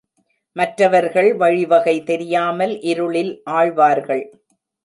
மற்றவர்கள் வழிவகை தெரியாமல் இருளில் ஆழ்வார்கள்.